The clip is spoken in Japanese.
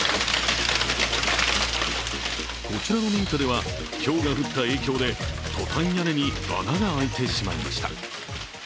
こちらの民家では、ひょうが降った影響でトタン屋根に穴が開いてしまいました。